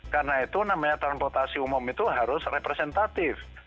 karena itu namanya transportasi umum itu harus representatif